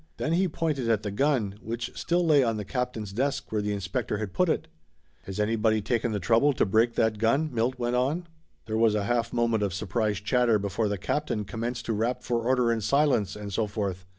Then he pointed at the gun, which still lay on the captain's desk where the inspector had put it. "Has anybody taken the trouble to break that gun ?" Milt went on. There was a half moment of surprised chatter before the captain commenced to rap for order and silence, and so forth.